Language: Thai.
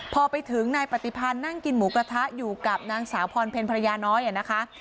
พอไปถึงนายปฏิพันธ์นั่งกินหมูกระทะอยู่กับนางสาวพรเพลภรรยาน้อยนะคะ